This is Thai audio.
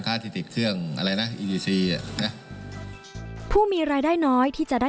ที่ติดเครื่องอะไรนะอีดีซีอ่ะนะผู้มีรายได้น้อยที่จะได้